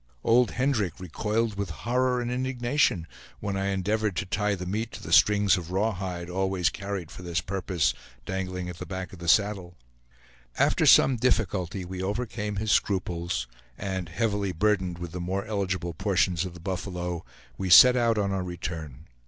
Old Hendrick recoiled with horror and indignation when I endeavored to tie the meat to the strings of raw hide, always carried for this purpose, dangling at the back of the saddle. After some difficulty we overcame his scruples; and heavily burdened with the more eligible portions of the buffalo, we set out on our return.